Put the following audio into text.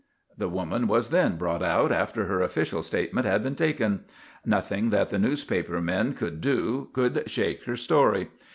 The woman was then brought out after her official statement had been taken. Nothing that the newspaper men could do could shake her story.